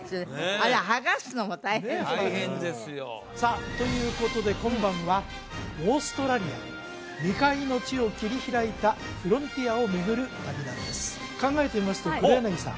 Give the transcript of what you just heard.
あれ剥がすのも大変ね大変ですよさあということで今晩はオーストラリア未開の地を切り開いたフロンティアを巡る旅なんです考えてみますと黒柳さん